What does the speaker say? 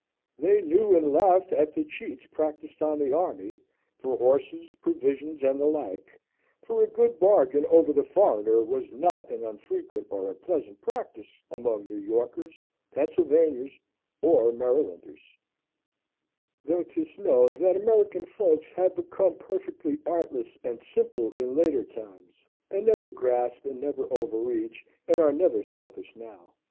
They knew and laughed at the cheats practised on the army, for horses, provisions, and the like; for a good bargain over the foreigner was not an unfrequent or unpleasant practice among New Yorkers, Pennsylvanians, or Marylanders; though 'tis known that American folks have become perfectly artless and simple in later times, and never grasp, and never overreach, and are never selfish now.